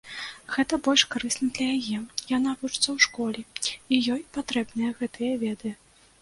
Гэта больш карысна для яе, яна вучыцца ў школе, і ёй патрэбныя гэтыя веды.